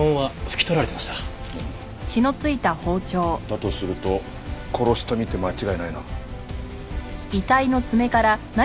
だとすると殺しとみて間違いないな。